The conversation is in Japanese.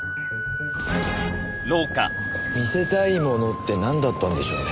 見せたいものってなんだったんでしょうね？